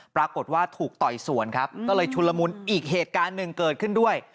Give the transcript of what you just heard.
ปรากฏว่าถูกต่อยสวนครับก็เลยชุนละมุนอีกเหตุการณ์หนึ่งเกิดขึ้นด้วย